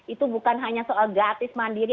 itu bukan hanya soal gratis mandiri